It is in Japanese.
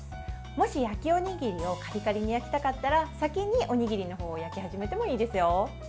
もし焼きおにぎりをカリカリに焼きたかったら先におにぎりの方を焼き始めてもいいですよ。